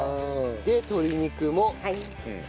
で鶏肉も。